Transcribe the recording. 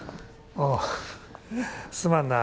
ああすまんな